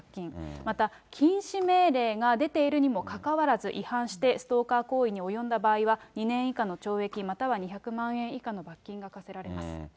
また禁止命令が出ているにもかかわらず、違反してストーカー行為に及んだ場合は、２年以下の懲役または２００万円以下の罰金が科せられます。